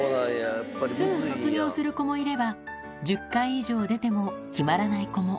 すぐ卒業する子もいれば、１０回以上出ても決まらない子も。